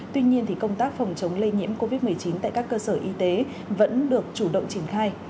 tuy nhiên công tác phòng chống lây nhiễm covid một mươi chín tại các cơ sở y tế vẫn được chủ động triển khai